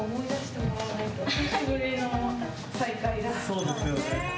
そうですよね。